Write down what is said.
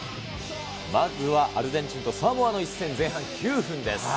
まずは、アルゼンチンとサモアの一戦、前半９分です。